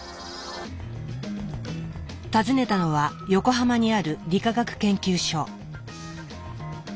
訪ねたのは横浜にある理化学研究所。